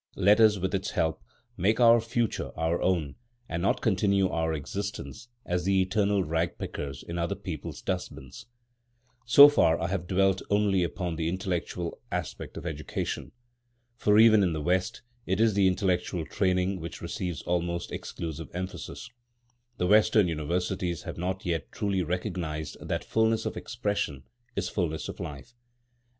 Let us, with its help, make our future our own, and not continue our existence as the eternal rag pickers in other people's dustbins. So far I have dwelt only upon the intellectual aspect of Education. For, even in the West, it is the intellectual training which receives almost exclusive emphasis. The Western universities have not yet truly recognised that fulness of expression is fulness of life.